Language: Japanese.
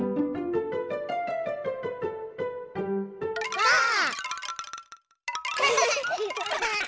ばあっ！